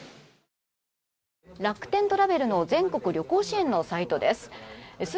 楽天トラベルの全国旅行支援のサイトです。